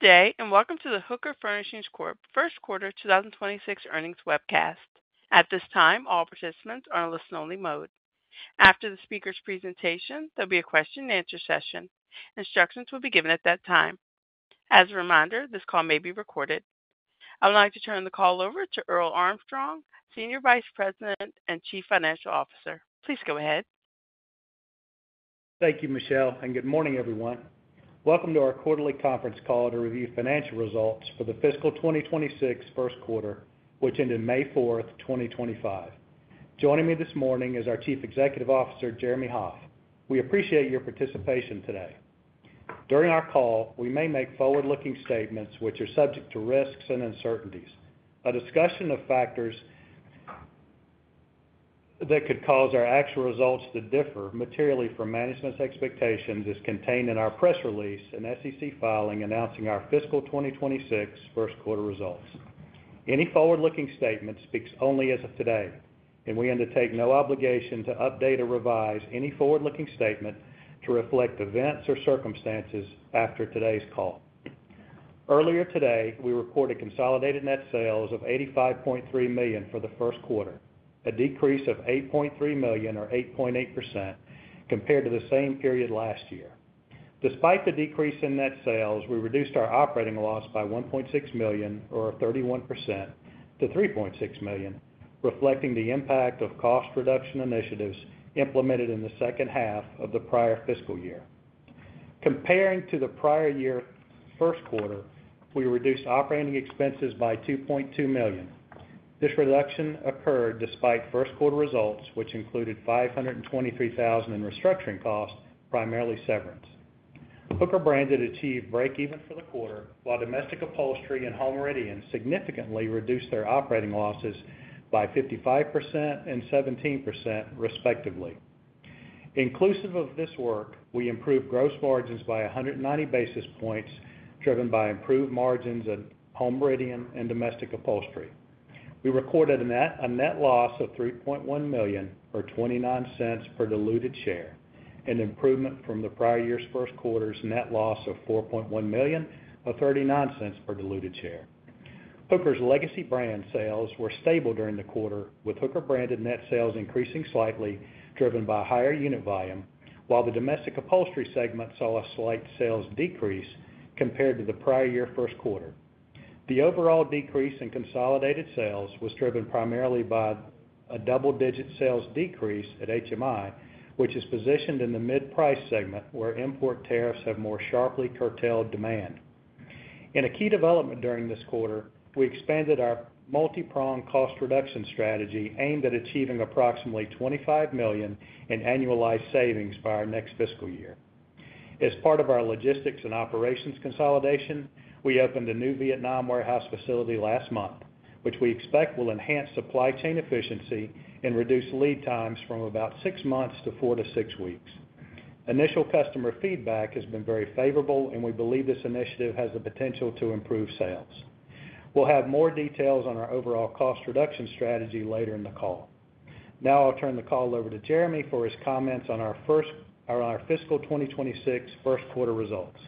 Today, and welcome to the Hooker Furnishings First Quarter 2026 Earnings Webcast. At this time, all participants are in listen-only mode. After the speaker's presentation, there'll be a question-and-answer session. Instructions will be given at that time. As a reminder, this call may be recorded. I would like to turn the call over to Earl Armstrong, Senior Vice President and Chief Financial Officer. Please go ahead. Thank you, Michelle, and good morning, everyone. Welcome to our quarterly conference call to review financial results for the Fiscal 2026 first quarter, which ended May 4, 2025. Joining me this morning is our Chief Executive Officer, Jeremy Hoff. We appreciate your participation today. During our call, we may make Forward-Looking Statements which are subject to risks and uncertainties. A discussion of factors that could cause our actual results to differ materially from management's expectations is contained in our press release and SEC Filing announcing our Fiscal 2026 first quarter results. Any forward-looking statement speaks only as of today, and we undertake no obligation to update or revise any forward-looking statement to reflect events or circumstances after today's call. Earlier today, we reported consolidated net sales of $85.3 million for the first quarter, a decrease of $8.3 million, or 8.8%, compared to the same period last year. Despite the decrease in net sales, we reduced our operating loss by $1.6 million, or 31%, to $3.6 million, reflecting the impact of cost reduction initiatives implemented in the second half of the prior fiscal year. Comparing to the prior year's first quarter, we reduced operating expenses by $2.2 million. This reduction occurred despite first quarter results, which included $523,000 in restructuring costs, primarily severance. Hooker Branded achieved break-even for the quarter, while Domestic Upholstery and Home Meridian significantly reduced their operating losses by 55% and 17%, respectively. Inclusive of this work, we improved gross margins by 190 basis points, driven by improved margins at Home Meridian and Domestic Upholstery. We recorded a net loss of $3.1 million, or $0.29 per diluted share, an improvement from the prior year's first quarter's net loss of $4.1 million, or $0.39 per diluted share. Hooker's legacy brand sales were stable during the quarter, with Hooker Branded net sales increasing slightly, driven by higher unit volume, while the Domestic Upholstery segment saw a slight sales decrease compared to the prior year's first quarter. The overall decrease in consolidated sales was driven primarily by a double-digit sales decrease at HMI, which is positioned in the Mid-Price Segment where import tariffs have more sharply curtailed demand. In a key development during this quarter, we expanded our multi-prong cost reduction strategy aimed at achieving approximately $25 million in annualized savings by our next fiscal year. As part of our logistics and operations consolidation, we opened a new Vietnam warehouse facility last month, which we expect will enhance Supply Chain efficiency and reduce Lead Times from about six months to four-six weeks. Initial customer feedback has been very favorable, and we believe this initiative has the potential to improve sales. We'll have more details on our overall cost reduction strategy later in the call. Now, I'll turn the call over to Jeremy for his comments on our Fiscal 2026 first quarter results.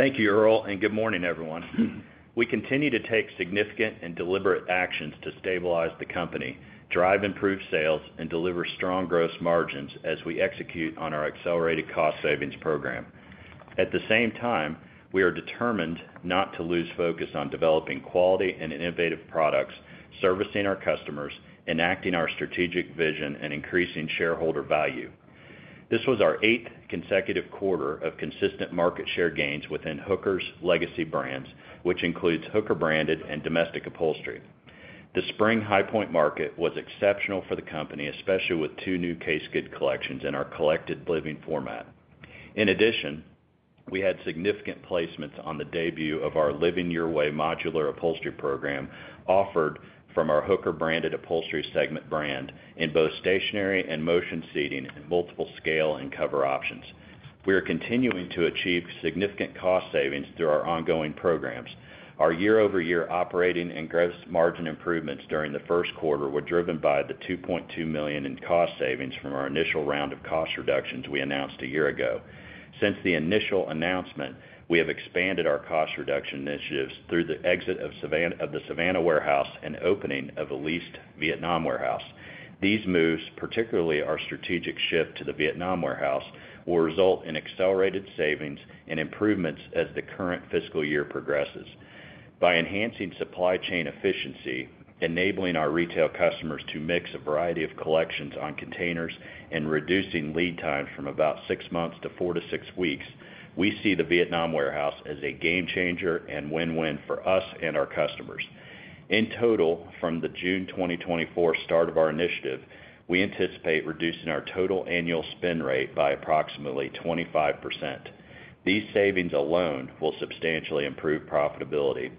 Thank you, Earl, and good morning, everyone. We continue to take significant and deliberate actions to stabilize the company, drive improved sales, and deliver strong gross margins as we execute on our accelerated cost savings program. At the same time, we are determined not to lose focus on developing quality and innovative products, servicing our customers, enacting our strategic vision, and increasing shareholder value. This was our eighth consecutive quarter of consistent market share gains within Hooker's legacy brands, which includes Hooker Branded and Domestic Upholstery. The spring High Point Market was exceptional for the company, especially with two new case good collections in our Collected Living format. In addition, we had significant placements on the debut of our Living Your Way modular upholstery program offered from our Hooker Branded upholstery segment brand in both stationary and motion seating and multiple scale and cover options. We are continuing to achieve significant cost savings through our ongoing programs. Our year-over-year operating and gross margin improvements during the first quarter were driven by the $2.2 million in cost savings from our initial round of cost reductions we announced a year ago. Since the initial announcement, we have expanded our cost reduction initiatives through the exit of the Savannah warehouse and opening of a leased Vietnam warehouse. These moves, particularly our strategic shift to the Vietnam warehouse, will result in accelerated savings and improvements as the current fiscal year progresses. By enhancing Supply Chain efficiency, enabling our retail customers to mix a variety of collections on containers, and reducing Lead Times from about six months to four to six weeks, we see the Vietnam warehouse as a game changer and win-win for us and our customers. In total, from the June 2024 start of our initiative, we anticipate reducing our total annual spend rate by approximately 25%. These savings alone will substantially improve profitability,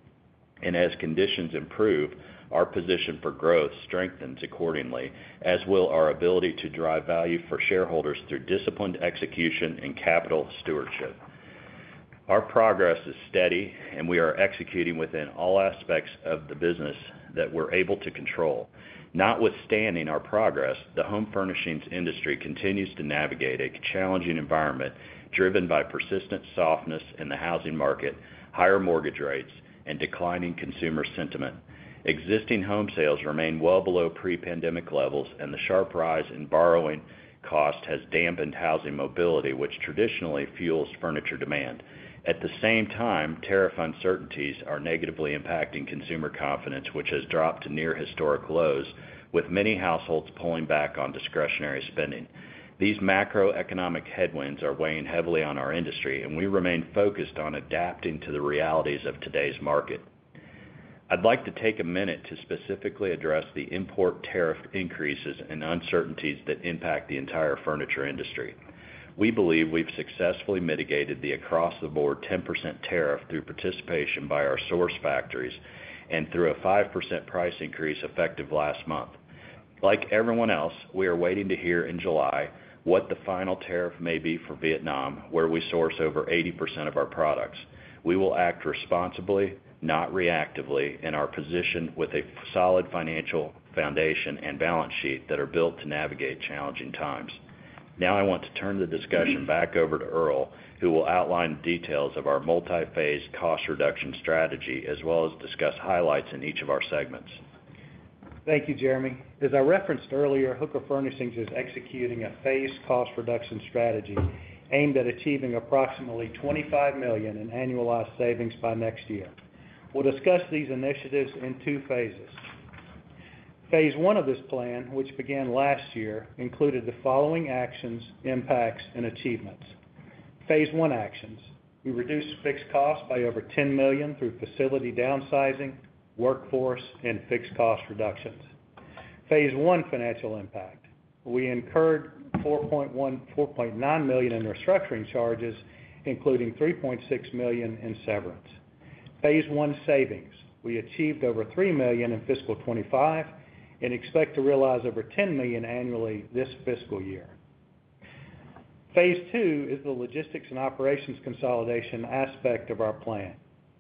and as conditions improve, our position for growth strengthens accordingly, as will our ability to drive value for shareholders through disciplined execution and capital stewardship. Our progress is steady, and we are executing within all aspects of the business that we're able to control. Notwithstanding our progress, the home furnishings industry continues to navigate a challenging environment driven by persistent softness in the housing market, higher mortgage rates, and declining consumer sentiment. Existing home sales remain well below pre-pandemic levels, and the sharp rise in borrowing cost has dampened housing mobility, which traditionally fuels furniture demand. At the same time, tariff uncertainties are negatively impacting consumer confidence, which has dropped to near historic lows, with many households pulling back on discretionary spending. These macroeconomic headwinds are weighing heavily on our industry, and we remain focused on adapting to the realities of today's market. I'd like to take a minute to specifically address the import tariff increases and uncertainties that impact the entire furniture industry. We believe we've successfully mitigated the across-the-board 10% tariff through participation by our source factories and through a 5% price increase effective last month. Like everyone else, we are waiting to hear in July what the final tariff may be for Vietnam, where we source over 80% of our products. We will act responsibly, not reactively, and are positioned with a solid financial foundation and balance sheet that are built to navigate challenging times. Now, I want to turn the discussion back over to Earl, who will outline the details of our multi-phase cost reduction strategy, as well as discuss highlights in each of our segments. Thank you, Jeremy. As I referenced earlier, Hooker Furnishings is executing a phased cost reduction strategy aimed at achieving approximately $25 million in annualized savings by next year. We will discuss these initiatives in two phases. Phase one of this plan, which began last year, included the following actions, impacts, and achievements. Phase one actions: we reduced fixed costs by over $10 million through facility downsizing, workforce, and fixed cost reductions. Phase one financial impact: we incurred $4.9 million in restructuring charges, including $3.6 million in severance. Phase one savings: we achieved over $3 million in Fiscal 2025 and expect to realize over $10 million annually this fiscal year. Phase two is the logistics and operations consolidation aspect of our plan.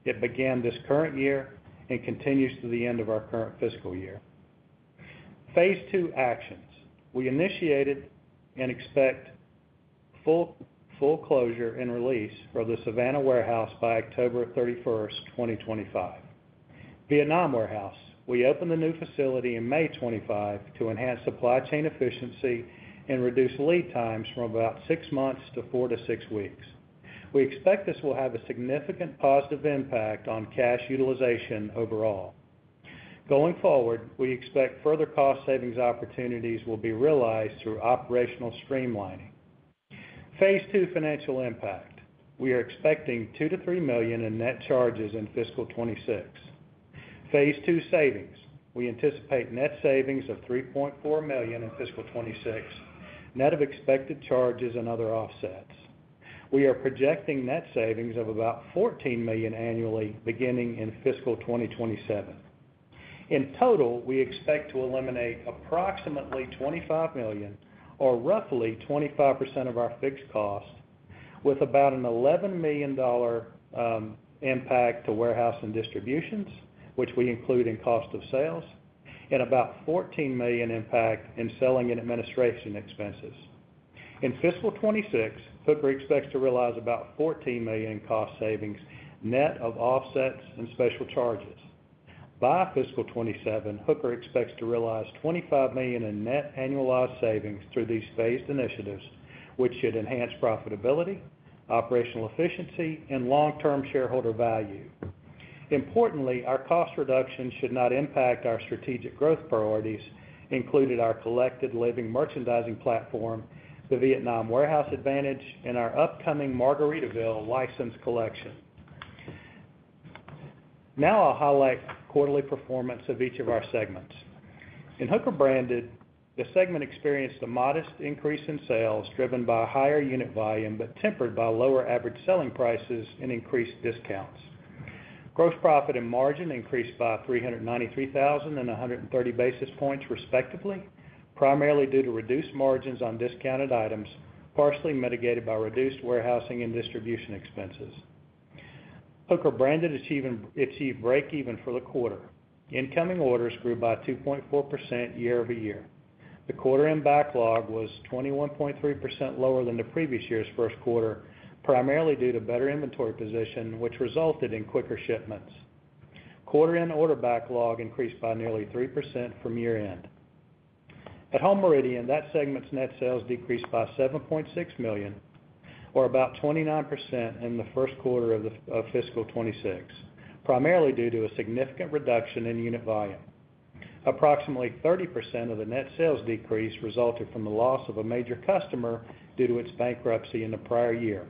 It began this current year and continues to the end of our current fiscal year. Phase two actions: we initiated and expect full closure and release for the Savannah warehouse by October 31, 2025. Vietnam warehouse: we opened the new facility in May 2025 to enhance Supply Chain efficiency and reduce Lead Times from about six months to four to six weeks. We expect this will have a significant positive impact on cash utilization overall. Going forward, we expect further cost savings opportunities will be realized through operational streamlining. Phase two financial impact: we are expecting $2-$3 million in net charges in Fiscal 2026. Phase two savings: we anticipate net savings of $3.4 million in Fiscal 2026, net of expected charges and other offsets. We are projecting net savings of about $14 million annually beginning in Fiscal 2027. In total, we expect to eliminate approximately $25 million, or roughly 25% of our fixed cost, with about an $11 million impact to warehouse and distributions, which we include in cost of sales, and about $14 million impact in selling and administration expenses. In Fiscal 2026, Hooker expects to realize about $14 million in cost savings, net of offsets and special charges. By Fiscal 2027, Hooker expects to realize $25 million in net annualized savings through these phased initiatives, which should enhance profitability, operational efficiency, and long-term shareholder value. Importantly, our cost reductions should not impact our strategic growth priorities, including our Collected Living merchandising platform, the Vietnam warehouse advantage, and our upcoming Margaritaville license collection. Now, I'll highlight quarterly performance of each of our segments. In Hooker Branded, the segment experienced a modest increase in sales driven by higher unit volume but tempered by lower average selling prices and increased discounts. Gross profit and margin increased by $393,000 and 130 basis points, respectively, primarily due to reduced margins on discounted items, partially mitigated by reduced warehousing and distribution expenses. Hooker Branded achieved break-even for the quarter. Incoming orders grew by 2.4% year over year. The quarter-end backlog was 21.3% lower than the previous year's first quarter, primarily due to better inventory position, which resulted in quicker shipments. Quarter-end order backlog increased by nearly 3% from year-end. At Home Meridian, that segment's net sales decreased by $7.6 million, or about 29%, in the first quarter of Fiscal 2026, primarily due to a significant reduction in unit volume. Approximately 30% of the net sales decrease resulted from the loss of a major customer due to its bankruptcy in the prior year,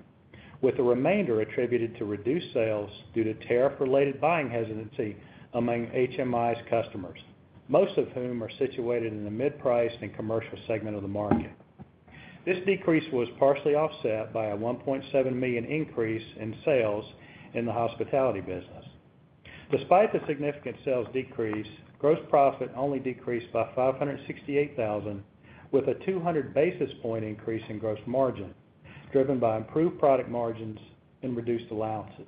with the remainder attributed to reduced sales due to tariff-related buying hesitancy among HMI's customers, most of whom are situated in the mid-priced and commercial segment of the market. This decrease was partially offset by a $1.7 million increase in sales in the Hospitality Business. Despite the significant sales decrease, gross profit only decreased by $568,000, with a 200 basis point increase in gross margin, driven by improved product margins and reduced allowances.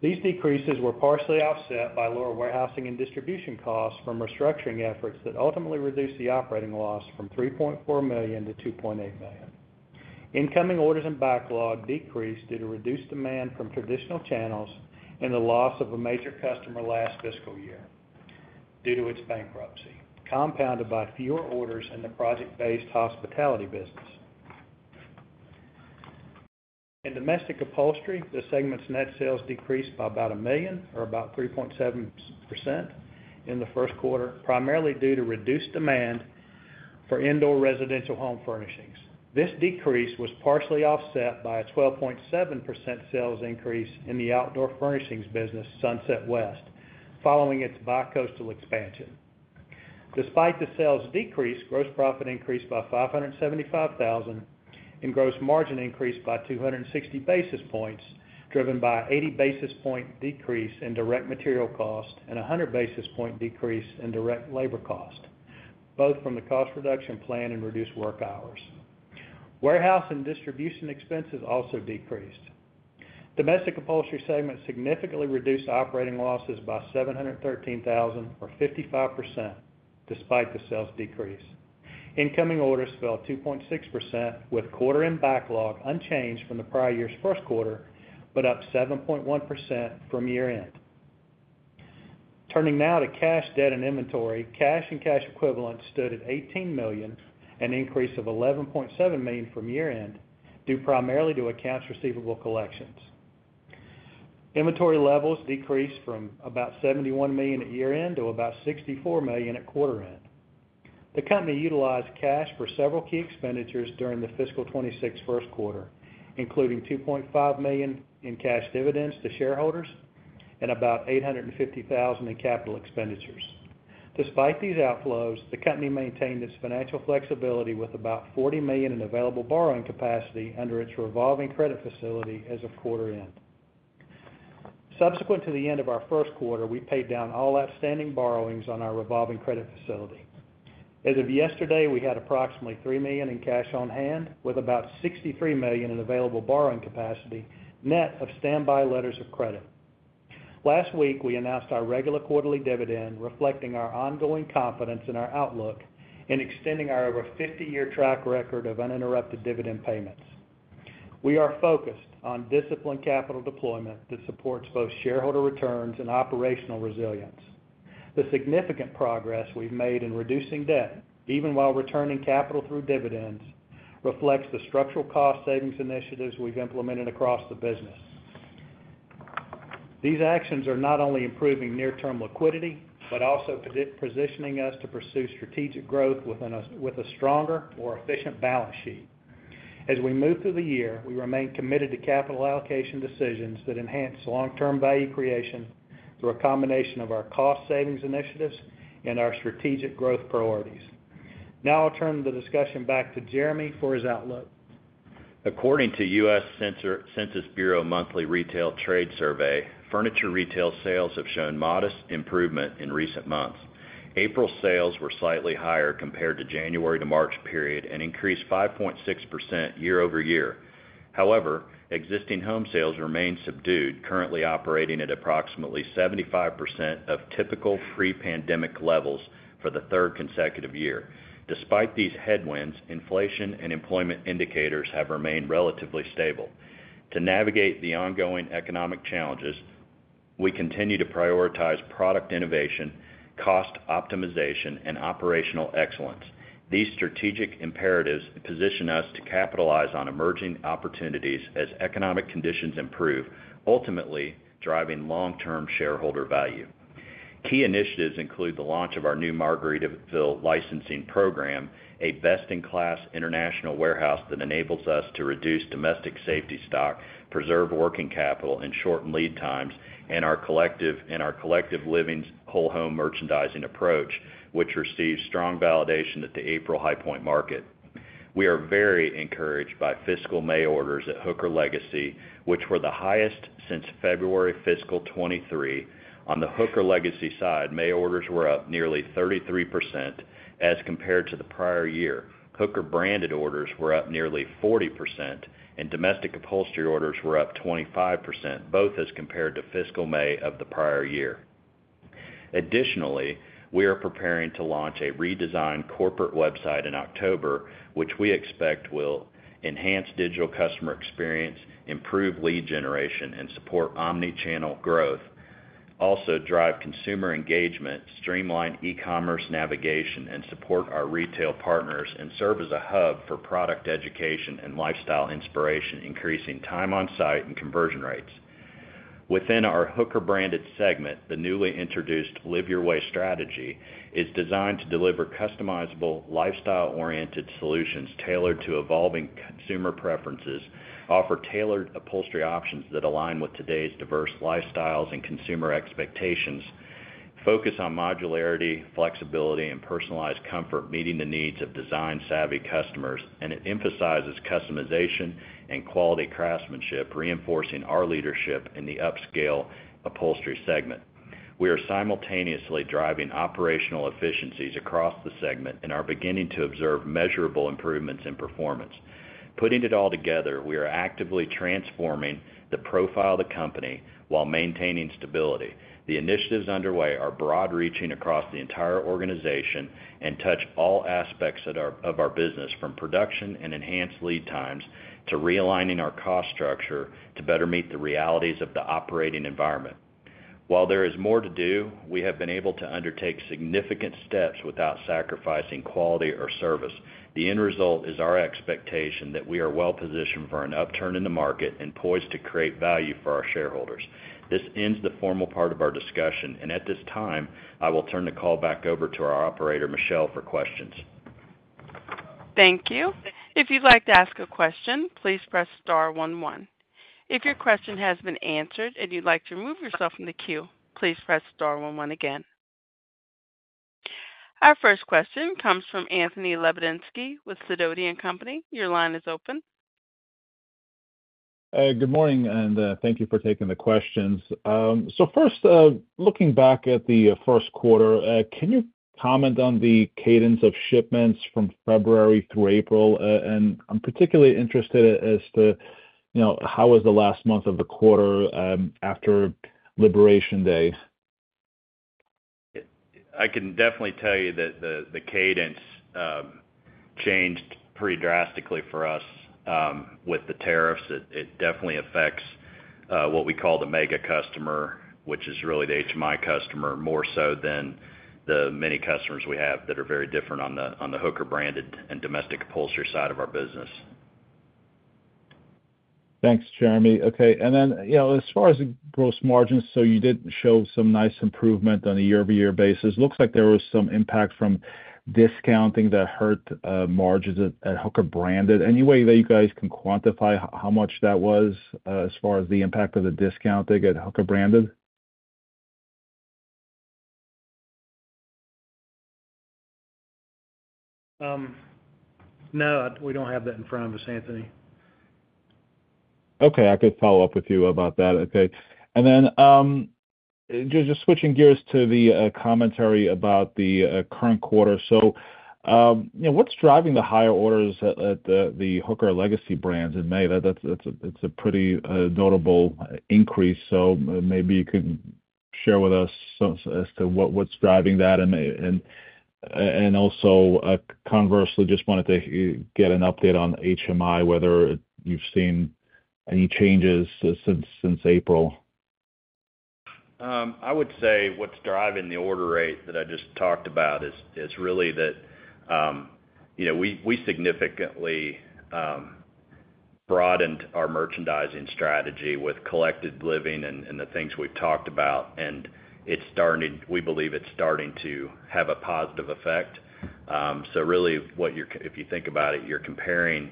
These decreases were partially offset by lower warehousing and distribution costs from restructuring efforts that ultimately reduced the operating loss from $3.4 million to $2.8 million. Incoming orders and backlog decreased due to reduced demand from traditional channels and the loss of a major customer last fiscal year due to its bankruptcy, compounded by fewer orders in the project-based Hospitality Business. In domestic upholstery, the segment's net sales decreased by about $1 million, or about 3.7%, in the first quarter, primarily due to reduced demand Residential Home Furnishings. this decrease was partially offset by a 12.7% sales increase in the outdoor furnishings business, Sunset West, following its bi-coastal expansion. Despite the sales decrease, gross profit increased by $575,000, and gross margin increased by 260 basis points, driven by an 80 basis point decrease in direct material cost and a 100 basis point decrease in direct labor cost, both from the cost reduction plan and reduced work hours. Warehouse and distribution expenses also decreased. Domestic Upholstery segment significantly reduced operating losses by $713,000, or 55%, despite the sales decrease. Incoming orders fell 2.6%, with quarter-end backlog unchanged from the prior year's first quarter, but up 7.1% from year-end. Turning now to cash, debt, and inventory, cash and cash equivalents stood at $18 million, an increase of $11.7 million from year-end, due primarily to accounts receivable collections. Inventory levels decreased from about $71 million at year-end to about $64 million at quarter-end. The company utilized cash for several key expenditures during the Fiscal 2026 first quarter, including $2.5 million in cash Dividends to shareholders and about $850,000 in capital expenditures. Despite these outflows, the company maintained its financial flexibility with about $40 million in available borrowing capacity under its Revolving Credit Facility as of quarter-end. Subsequent to the end of our first quarter, we paid down all outstanding borrowings on our Revolving Credit Facility. As of yesterday, we had approximately $3 million in cash on hand, with about $63 million in available borrowing capacity, net of standby letters of credit. Last week, we announced our regular quarterly dividend, reflecting our ongoing confidence in our outlook and extending our over 50-year track record of uninterrupted dividend payments. We are focused on disciplined capital deployment that supports both shareholder returns and operational resilience. The significant progress we have made in reducing debt, even while returning capital through Dividends, reflects the structural cost savings initiatives we have implemented across the business. These actions are not only improving near-term liquidity but also positioning us to pursue strategic growth with a stronger or efficient balance sheet. As we move through the year, we remain committed to Capital Allocation decisions that enhance long-term value creation through a combination of our cost savings initiatives and our strategic growth priorities. Now, I'll turn the discussion back to Jeremy for his outlook. According to U.S. Census Bureau monthly retail trade survey, furniture retail sales have shown modest improvement in recent months. April sales were slightly higher compared to the January to March period and increased 5.6% year over year. However, existing home sales remain subdued, currently operating at approximately 75% of typical pre-pandemic levels for the third consecutive year. Despite these headwinds, inflation and employment indicators have remained relatively stable. To navigate the ongoing economic challenges, we continue to prioritize product innovation, cost optimization, and operational excellence. These strategic imperatives position us to capitalize on emerging opportunities as economic conditions improve, ultimately driving long-term shareholder value. Key initiatives include the launch of our new Margaritaville licensing program, a best-in-class international warehouse that enables us to reduce domestic safety stock, preserve Working Capital, and shorten Lead Times, and our Collected Living whole-home merchandising approach, which received strong validation at the April High Point Market. We are very encouraged by fiscal May orders at Hooker Legacy, which were the highest since February fiscal 2023. On the Hooker Legacy side, May orders were up nearly 33% as compared to the prior year. Hooker Branded orders were up nearly 40%, and Domestic Upholstery orders were up 25%, both as compared to fiscal May of the prior year. Additionally, we are preparing to launch a redesigned corporate website in October, which we expect will enhance digital customer experience, improve lead generation, and support omnichannel growth. Also, drive consumer engagement, streamline e-commerce navigation, and support our retail partners, and serve as a hub for product education and lifestyle inspiration, increasing time on site and conversion rates. Within our Hooker Branded segment, the newly introduced Live Your Way strategy is designed to deliver customizable, lifestyle-oriented solutions tailored to evolving consumer preferences, offer tailored upholstery options that align with today's diverse lifestyles and consumer expectations, focus on modularity, flexibility, and personalized comfort, meeting the needs of design-savvy customers, and it emphasizes customization and quality craftsmanship, reinforcing our leadership in the upscale upholstery segment. We are simultaneously driving operational efficiencies across the segment and are beginning to observe measurable improvements in performance. Putting it all together, we are actively transforming the profile of the company while maintaining stability. The initiatives underway are broad-reaching across the entire organization and touch all aspects of our business, from production and enhanced Lead Times to realigning our cost structure to better meet the realities of the operating environment. While there is more to do, we have been able to undertake significant steps without sacrificing quality or service. The end result is our expectation that we are well-positioned for an upturn in the market and poised to create value for our shareholders. This ends the formal part of our discussion, and at this time, I will turn the call back over to our operator, Michelle, for questions. Thank you. If you'd like to ask a question, please press star 11. If your question has been answered and you'd like to remove yourself from the queue, please press star 11 again. Our first question comes from Anthony Levadinski with Sidoti & Company. Your line is open. Good morning, and thank you for taking the questions. First, looking back at the first quarter, can you comment on the cadence of shipments from February through April? I'm particularly interested as to how was the last month of the quarter after Liberation Day. I can definitely tell you that the cadence changed pretty drastically for us with the tariffs. It definitely affects what we call the Mega Customer, which is really the HMI customer, more so than the many customers we have that are very different on the Hooker Branded and Domestic Upholstery side of our business. Thanks, Jeremy. Okay. As far as gross margins, you did show some nice improvement on a year-over-year basis. Looks like there was some impact from discounting that hurt margins at Hooker Branded. Any way that you guys can quantify how much that was as far as the impact of the discounting at Hooker Branded? No, we don't have that in front of us, Anthony. Okay. I could follow up with you about that. Okay. Just switching gears to the commentary about the current quarter. What's driving the higher orders at the Hooker Legacy brands in May? It's a pretty notable increase. Maybe you could share with us as to what's driving that. Also, conversely, just wanted to get an update on HMI, whether you've seen any changes since April. I would say what's driving the order rate that I just talked about is really that we significantly broadened our merchandising strategy with Collected Living and the things we've talked about. We believe it's starting to have a positive effect. If you think about it, you're comparing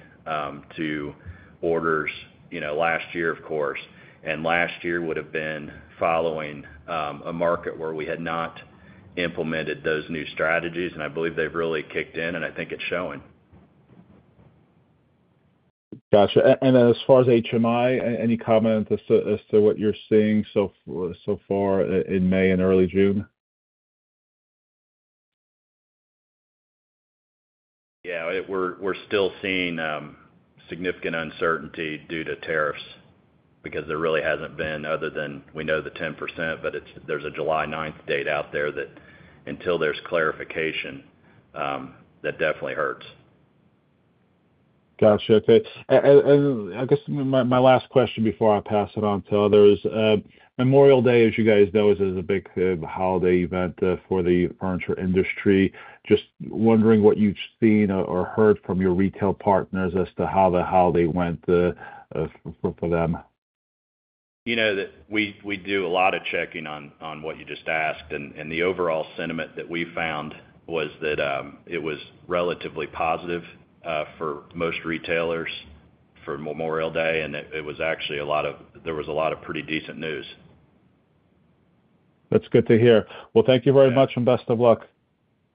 to orders last year, of course. Last year would have been following a market where we had not implemented those new strategies. I believe they've really kicked in, and I think it's showing. Gotcha. As far as HMI, any comment as to what you're seeing so far in May and early June? Yeah. We're still seeing significant uncertainty due to tariffs because there really hasn't been, other than we know the 10%, but there's a July 9th date out there that until there's clarification, that definitely hurts. Gotcha. Okay. I guess my last question before I pass it on to others. Memorial Day, as you guys know, is a big holiday event for the furniture industry. Just wondering what you've seen or heard from your retail partners as to how the holiday went for them. We do a lot of checking on what you just asked. The overall sentiment that we found was that it was relatively positive for most retailers for Memorial Day, and it was actually a lot of, there was a lot of pretty decent news. That's good to hear. Thank you very much and best of luck.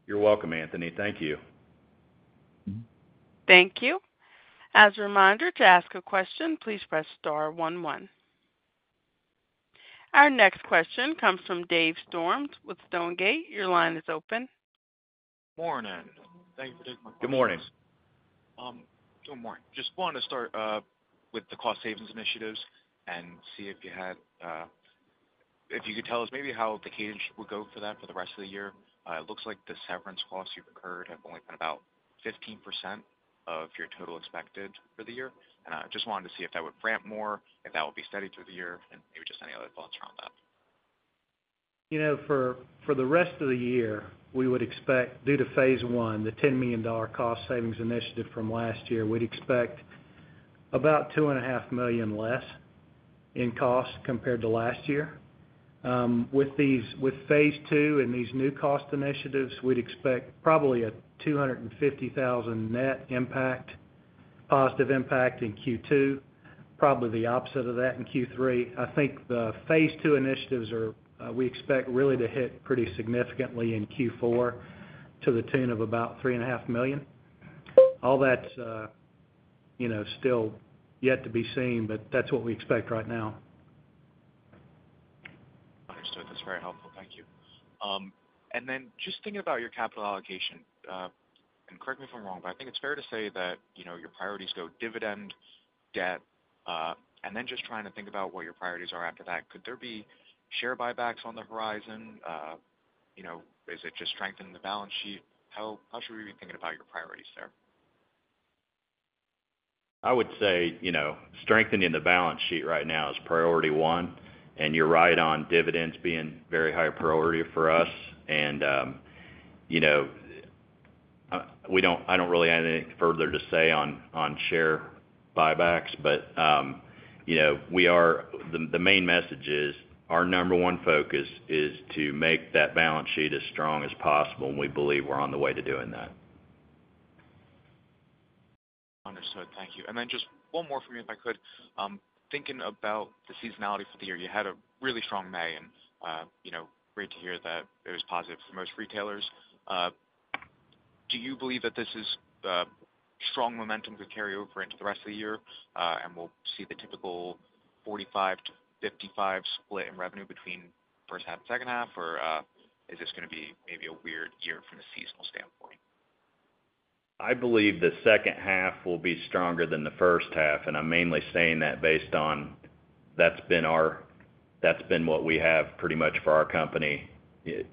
You're welcome, Anthony. Thank you. Thank you. As a reminder, to ask a question, please press star 11. Our next question comes from Dave Storms with Stonegate. Your line is open. Morning. Thanks, Dave. Good morning. Good morning. Just wanted to start with the cost savings initiatives and see if you had, if you could tell us maybe how the cadence would go for that for the rest of the year. It looks like the severance costs you've incurred have only been about 15% of your total expected for the year. I just wanted to see if that would ramp more, if that would be steady through the year, and maybe just any other thoughts around that. For the rest of the year, we would expect, due to phase one, the $10 million cost savings initiative from last year, we'd expect about $2.5 million less in cost compared to last year. With phase two and these new cost initiatives, we'd expect probably a $250,000 net impact, positive impact in Q2, probably the opposite of that in Q3. I think the phase two initiatives we expect really to hit pretty significantly in Q4 to the tune of about $3.5 million. All that's still yet to be seen, but that's what we expect right now. Understood. That's very helpful. Thank you. Just thinking about your Capital Allocation, and correct me if I'm wrong, but I think it's fair to say that your priorities go dividend, debt, and then just trying to think about what your priorities are after that. Could there be Share Buybacks on the horizon? Is it just strengthening the balance sheet? How should we be thinking about your priorities there? I would say strengthening the balance sheet right now is priority one. You're right on Dividends being very high priority for us. I don't really have anything further to say on Share Buybacks, but the main message is our number one focus is to make that balance sheet as strong as possible, and we believe we're on the way to doing that. Understood. Thank you. Just one more for me, if I could. Thinking about the seasonality for the year, you had a really strong May, and great to hear that it was positive for most retailers. Do you believe that this is strong momentum to carry over into the rest of the year, and we will see the typical 45-55% split in revenue between first half and second half, or is this going to be maybe a weird year from a seasonal standpoint? I believe the second half will be stronger than the first half, and I'm mainly saying that based on that's been what we have pretty much for our company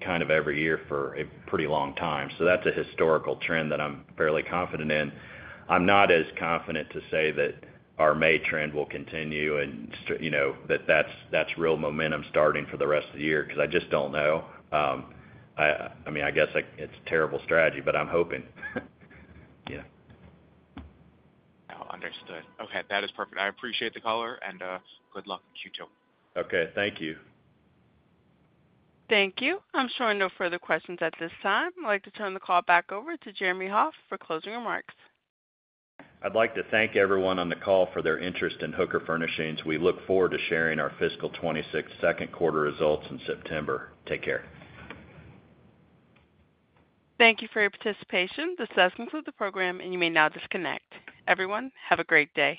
kind of every year for a pretty long time. That is a historical trend that I'm fairly confident in. I'm not as confident to say that our May trend will continue and that that's real momentum starting for the rest of the year because I just don't know. I mean, I guess it's a terrible strategy, but I'm hoping. Understood. Okay. That is perfect. I appreciate the caller, and good luck in Q2. Okay. Thank you. Thank you. I'm sure no further questions at this time. I'd like to turn the call back over to Jeremy Hoff for closing remarks. I'd like to thank everyone on the call for their interest in Hooker Furnishings. We look forward to sharing our Fiscal 2026 second quarter results in September. Take care. Thank you for your participation. This does conclude the program, and you may now disconnect. Everyone, have a great day.